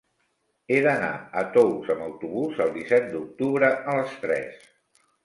He d'anar a Tous amb autobús el disset d'octubre a les tres.